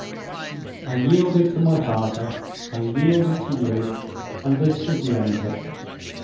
I yielded to my father, I yielded to you; and this is the end of it!